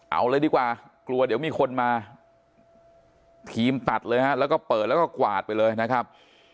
เอาเลยดีกว่ากลัวเดี๋ยวมีคนมาทีมตัดเลยฮะแล้วก็เปิดแล้วก็กวาดไปเลยนะครับ